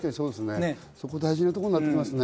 そこが大事なところになってきますね。